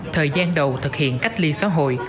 thời gian đầu thực hiện cách ly xã hội